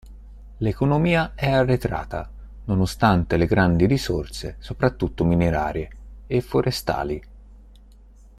L'economia è arretrata, nonostante le grandi risorse, soprattutto minerarie e forestali.